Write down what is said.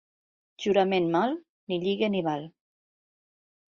Jurament mal, ni lliga ni val.